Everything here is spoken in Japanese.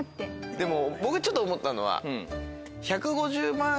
でも僕ちょっと思ったのは。